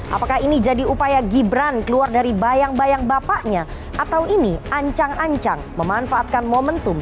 apakah ini jadi upaya gibran keluar dari bayang bayang bapaknya atau ini ancang ancang memanfaatkan momentum